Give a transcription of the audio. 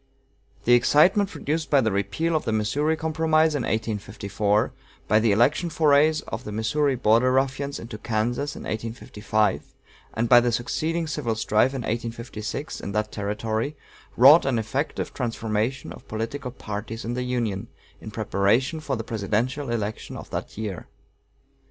The excitement produced by the repeal of the Missouri Compromise in 1854, by the election forays of the Missouri Border Ruffians into Kansas in 1855, and by the succeeding civil strife in 1856 in that Territory, wrought an effective transformation of political parties in the Union, in preparation for the presidential election of that year.